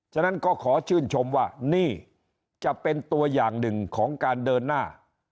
ฉะนั้นก็ขอชื่นชมว่านี่จะเป็นตัวอย่างหนึ่งของการเดินหน้า